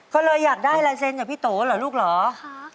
ก็เลยอยากได้ลายเซ็นต์จากพี่โตเหรอลูกเหรอ